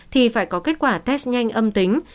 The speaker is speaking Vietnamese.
thì phải có kết quả test nhanh âm tính